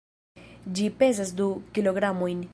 Ĝi pezas du kilogramojn.